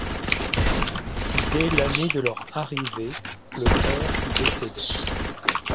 Dès l'année de leur arrivée le père décédait.